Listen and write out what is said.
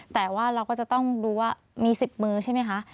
แต่ว่าเราก็จะต้องดูว่ามี๑๐มือใช่ไหมคะ